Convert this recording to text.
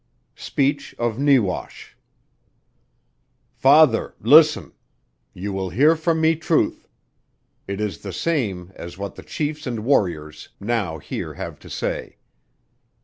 SPEECH OF NEWASH. "Father Listen. You will hear from me truth. It is the same as what the Chiefs and Warriors now here have to say.